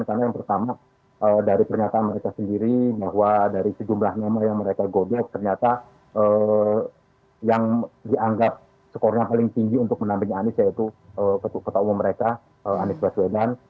karena yang pertama dari pernyataan mereka sendiri dari sejumlah nama yang mereka gobek ternyata yang dianggap skornya paling tinggi untuk menampingi anies yaitu ketua umum mereka anies baswedan